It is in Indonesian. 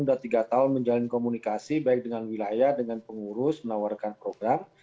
jadi ini sudah dua tiga tahun menjalani komunikasi baik dengan wilayah dengan pengurus menawarkan program